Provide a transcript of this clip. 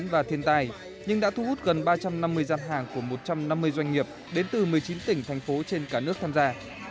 và thiên tài nhưng đã thu hút gần ba trăm năm mươi gian hàng của một trăm năm mươi doanh nghiệp đến từ một mươi chín tỉnh thành phố trên cả nước tham gia